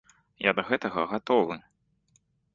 Я да гэтага гатовы.